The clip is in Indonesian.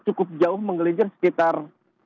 cukup jauh menggelincir sekitar